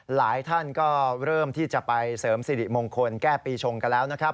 หลายท่านก็เริ่มที่จะไปเสริมสิริมงคลแก้ปีชงกันแล้วนะครับ